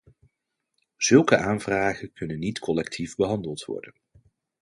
Zulke aanvragen kunnen niet collectief behandeld worden.